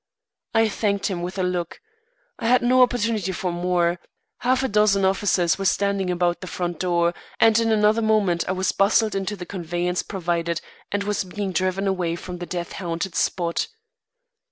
I thanked him with a look. I had no opportunity for more. Half a dozen officers were standing about the front door, and in another moment I was bustled into the conveyance provided and was being driven away from the death haunted spot.